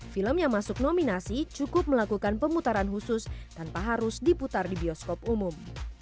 film yang masuk nominasi cukup melakukan pemutaran khusus tanpa harus diputar di bioskop umum